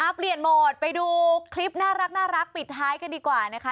เปลี่ยนโหมดไปดูคลิปน่ารักปิดท้ายกันดีกว่านะคะ